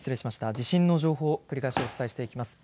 地震の情報を繰り返しお伝えしていきます。